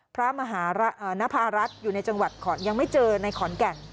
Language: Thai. พระมหานภารัฐอยู่ในจังหวัดขอนยังไม่เจอในขอนแก่น